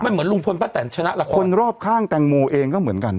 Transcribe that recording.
ไม่เหมือนลุงพลปะแต่ชนะละคนรอบข้างแต่งมูเองก็เหมือนกัน